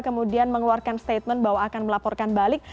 kemudian mengeluarkan statement bahwa akan melaporkan balik